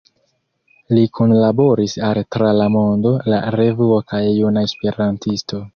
Li kunlaboris al „Tra La Mondo“, „La Revuo“ kaj „Juna Esperantisto“.